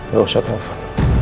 ya usah telfon